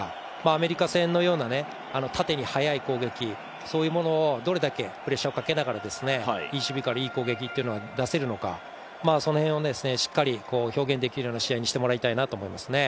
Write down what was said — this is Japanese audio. アメリカ戦のような縦に速い攻撃というものをどれだけプレッシャーをかけながら、いい守備、いい攻撃が出せるのか、その辺をしっかり表現できるような試合にしてもらいたいなと思いますね。